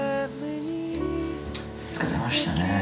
疲れましたね。